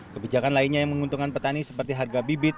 kebijakan lainnya yang menguntungkan petani seperti harga bibit